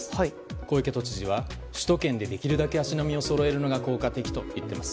小池都知事は首都圏でできるだけ足並みをそろえるのが効果的だと言っています。